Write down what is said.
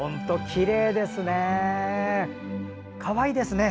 きれいですね。